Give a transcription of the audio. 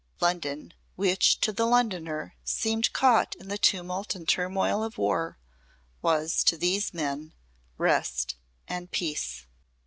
London, which to the Londoner seemed caught in the tumult and turmoil of war, was to these men rest and peace.